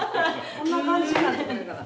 こんな感じになってくれたら。